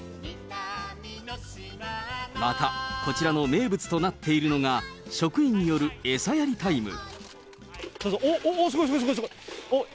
また、こちらの名物となっているのが、職員による餌やりタイム。